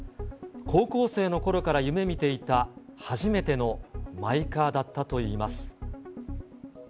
高校生のころから夢見ていた初めてのマイカーだったといいます。